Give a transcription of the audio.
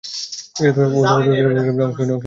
Old ট্রাফোর্ডে অনুষ্ঠিত একমাত্র টেস্টে অংশ নিয়েছিলেন।